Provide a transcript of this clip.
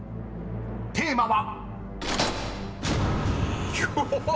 ［テーマは］